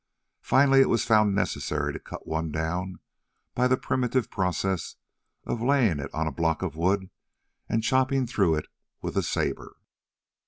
Finally it was found necessary to cut one down by the primitive process of laying it on a block of wood and chopping through it with a sabre.